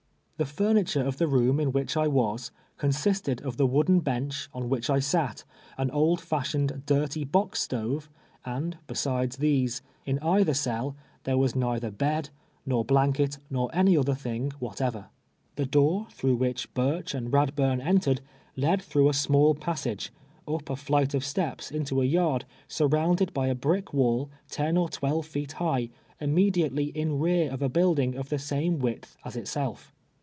The furniture of the room in which I was, consisted of the wooden bench on wdiichi sat, an old fashioned, dirty box stove, and besides these, in either cell, thei'c was neither bed, nor blanket, nov any other thing whatever. The door, througli which 42 T^v^•:LVE ye.vrs a sla\'t:. ]>urcli ami JRa<ll)uni entered, led tlirougli a small inissaiiv, np a iliiilit" oi' steps into a yard, surrouiuled l>y a briek wall ten or twelve feet lii,u"1i, iuimediately ill rear of a Imildin:^ of the «aiuc Avidth as itself.